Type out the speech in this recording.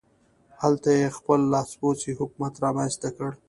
هلته یې خپل لاسپوڅی حکومت رامنځته کړ.